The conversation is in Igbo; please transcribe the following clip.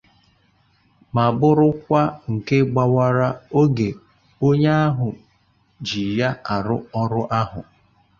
ma bụrụkwa nke gbawara oge onye ahụ ji ya arụ ọrụ ahụ